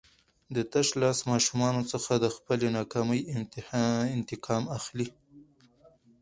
د تشلاس ماشومانو څخه د خپلې ناکامۍ انتقام اخلي.